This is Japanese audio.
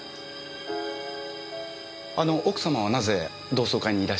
あの奥様はなぜ同窓会にいらっしゃらないんでしょう？